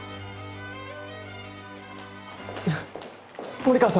森川さん！